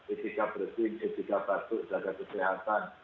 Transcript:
istika bersih istika pasuk jaga kesehatan